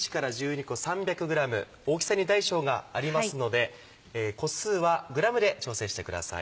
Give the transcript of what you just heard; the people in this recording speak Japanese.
大きさに大小がありますので個数はグラムで調整してください。